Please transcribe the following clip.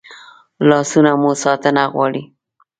لاسونه مو ساتنه غواړي